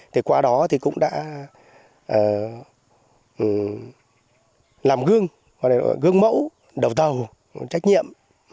thì qua đó thì cũng đã làm gương và gương mẫu đầu tàu trách nhiệm